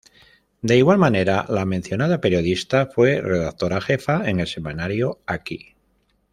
De igual manera, la mencionada periodista fue redactora jefa en el semanario "Aquí".